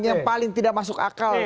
yang paling tidak masuk akal